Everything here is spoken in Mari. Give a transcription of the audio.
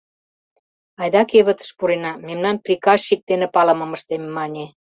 — Айда кевытыш пурена, мемнан прикащик дене палымым ыштем, — мане.